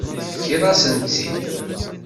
Tefkiḍ-asen-tt-id.